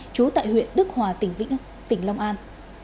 chú tại huyện đức hòa tỉnh vĩnh long an